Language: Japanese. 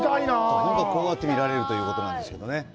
本当は見られるということなんですけどね。